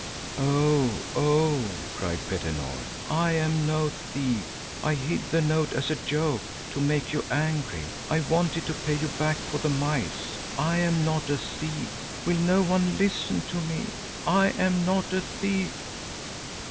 "Oh, oh," cried Petter Nord, "I am no thief. I hid the note as a joke—to make you angry. I wanted to pay you back for the mice. I am not a thief. Will no one listen to me. I am not a thief."